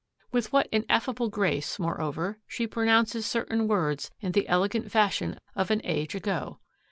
With what ineffable grace, moreover, she pronounces certain words in the elegant fashion of an age ago!